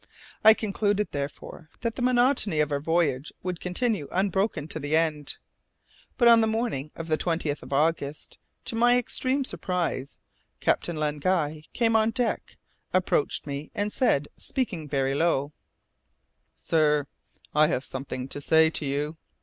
I concluded therefore that the monotony of our voyage would continue unbroken to the end. But, on the morning of the 20th of August, to my extreme surprise, Captain Len Guy came on deck, approached me, and said, speaking very low, "Sir, I have something to say to you."